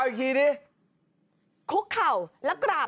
มาสิครับคุกเข่าแล้วกราบ